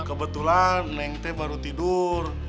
kebetulan neng teh baru tidur